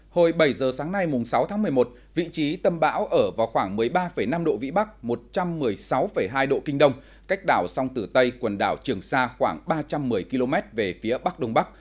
hồi bảy giờ sáng nay vị trí tâm bão ở vào khoảng một mươi ba năm độ vĩ bắc một trăm một mươi sáu hai độ kinh đông cách đảo song tử tây quần đảo trường sa khoảng ba trăm một mươi km về phía bắc đông bắc